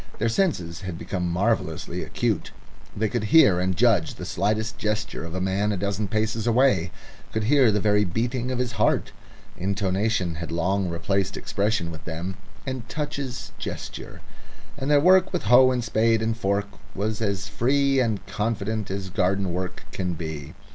Their senses had become marvellously acute; they could hear and judge the slightest gesture of a man a dozen paces away could hear the very beating of his heart. Intonation had long replaced expression with them, and touches gesture, and their work with hoe and spade and fork was as free and confident as garden work can be.